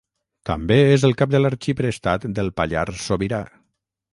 També és el cap de l'arxiprestat del Pallars Sobirà.